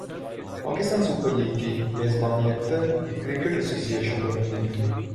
Pakistan super league کی میزبانیقطر cricket association پر امید